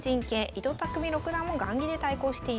伊藤匠六段も雁木で対抗しています。